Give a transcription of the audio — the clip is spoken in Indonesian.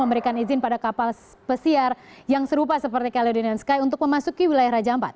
memberikan izin pada kapal pesiar yang serupa seperti caledonan sky untuk memasuki wilayah raja ampat